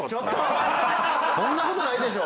そんなことないでしょ！